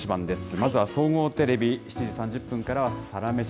まずは総合テレビ、７時３０分からはサラメシ。